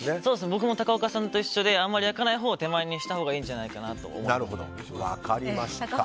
僕も高岡さんと一緒であまり焼かない方を手前にしたほうがいいんじゃないかなと思って。